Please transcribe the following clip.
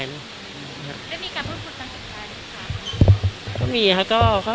แล้วมีการพบคุณกันสุดท้ายหรือเปล่า